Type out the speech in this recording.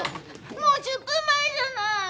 もう１０分前じゃない！